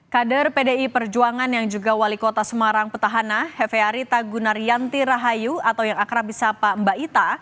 kader pdi perjuangan yang juga wali kota semarang petahana hefe arita gunaryanti rahayu atau yang akrab di sapa mbak ita